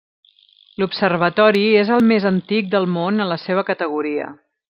L'observatori és el més antic del món en la seva categoria.